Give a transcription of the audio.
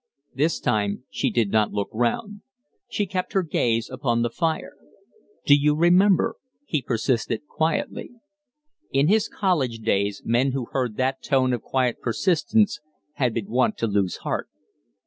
This time she did not look round. She kept her gaze upon the fire. "Do you remember?" he persisted, quietly. In his college days men who heard that tone of quiet persistence had been wont to lose heart.